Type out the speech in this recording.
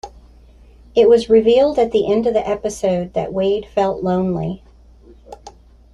It was revealed at the end of the episode that Wade felt lonely.